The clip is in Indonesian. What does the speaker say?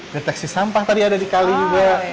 deteksi sampah tadi ada di kali juga